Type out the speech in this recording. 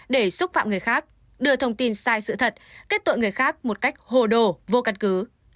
để xúc phạm người khác đưa thông tin sai sự thật kết tội người khác một cách hồ đồ vô căn cứ